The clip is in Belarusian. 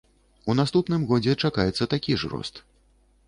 У наступным годзе чакаецца такі ж рост.